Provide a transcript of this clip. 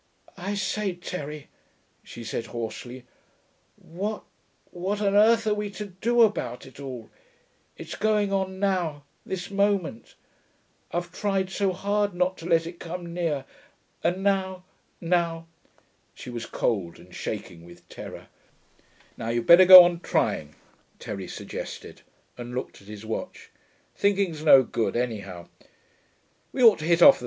'I say, Terry,' she said hoarsely, 'what what on earth are we to do about it all? It it's going on now this moment.... I've tried so hard not to let it come near ... and now ... now....' She was cold and shaking with terror. 'Now you'd better go on trying,' Terry suggested, and looked at his watch. 'Thinking's no good, anyhow.... We ought to hit off the 3.